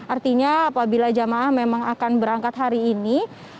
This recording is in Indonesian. artinya apabila jemaah memang akan berangkat hari ini